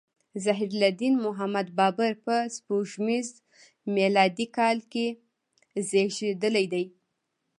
ظهیرالدین محمد بابر په سپوږمیز میلادي کال کې زیږیدلی.